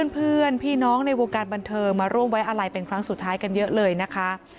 เพื่อนพี่น้องในวงการบันเทิงมาร่วมไว้อะไรเป็นครั้งสุดท้ายกันเยอะเลยนะคะ